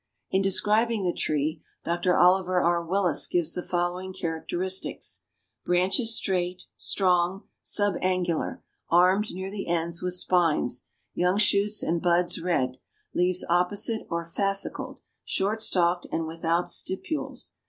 In describing the tree Dr. Oliver R. Willis gives the following characteristics: "Branches straight, strong, sub angular, armed near the ends with spines; young shoots and buds red. Leaves opposite or fascicled, short stalked, and without stipules.